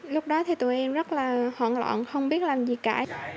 lúc đó thì tụi em rất là hoảng loạn không biết làm gì cả